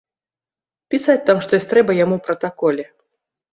Пісаць там штось трэба яму ў пратаколе.